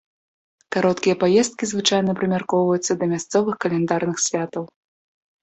Кароткія паездкі звычайна прымяркоўваюцца да мясцовых каляндарных святаў.